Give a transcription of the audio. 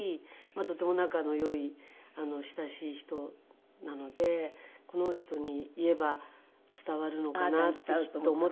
あとても仲のよい親しい人なのでこの人に言えば伝わるのかなってきっと思ったのかなと。